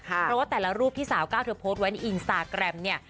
เพราะว่าแต่ละรูปที่สาวก้าวเธอโพสต์ไว้ในอินสตาแกรมเนี่ย